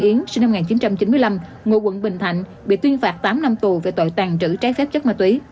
yến sinh năm một nghìn chín trăm chín mươi năm ngụ quận bình thạnh bị tuyên phạt tám năm tù về tội tàn trữ trái phép chất ma túy